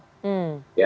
ya seperti itu kan ya